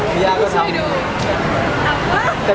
เป็นกำลังใครให้